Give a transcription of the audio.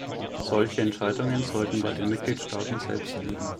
Solche Entscheidungen sollten bei den Mitgliedstaaten selbst liegen.